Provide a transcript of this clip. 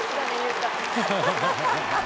「ハハハハ！」